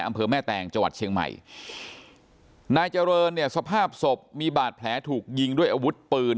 อำเภอแม่แตงจังหวัดเชียงใหม่นายเจริญเนี่ยสภาพศพมีบาดแผลถูกยิงด้วยอาวุธปืน